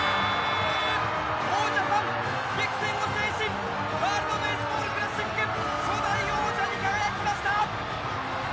王ジャパン、激戦を制しワールド・ベースボール・クラシック初代王者に輝きました。